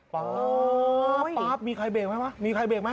ป๊อบป๊อบมีใครเบรกไหมมีใครเบรกไหม